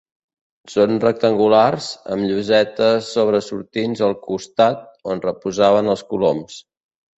Són rectangulars, amb llosetes sobresortints al costat on reposaven els coloms.